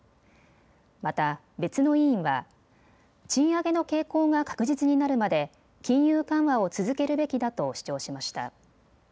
また別の委員は賃上げの傾向が確実になるまで金融緩和を続けるべきだと主張しました。